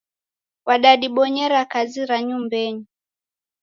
Wadadibonyera kazi ra nyumbenyi